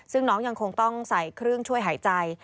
ซึ่งน้องยังคงต้องใส่เครื่องช่วยหายใจ